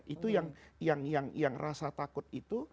itu yang rasa takut itu